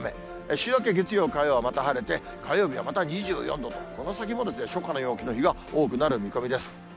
週明け月曜、火曜はまた晴れて、火曜日はまた２４度と、この先も初夏の陽気の日が多くなる見込みです。